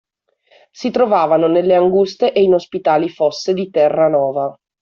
Si trovavano nelle anguste e inospitali fosse di Terranova